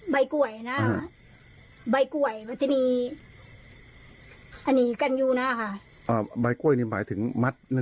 ใบกล้วยนะใบกล้วยมันจะนีอันนี้กันอยู่นะคะใบกล้วยนี่หมายถึงมัด